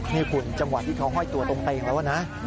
นี่คุณจังหวะที่เขาห้อยตัวตรงเตงแล้วนะ